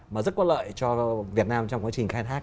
mà rất có lợi cho việt nam trong quá trình khai thác